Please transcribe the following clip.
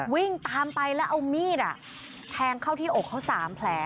วิ่งตามไปแล้วเอามีดแทงเข้าที่อกเขา๓แผล